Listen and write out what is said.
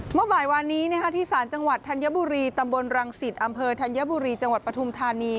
เมื่อบ่ายวานนี้ที่ศาลจังหวัดธัญบุรีตำบลรังสิตอำเภอธัญบุรีจังหวัดปฐุมธานี